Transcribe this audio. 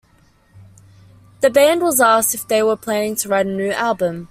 The band was asked if they were planning to write a new album.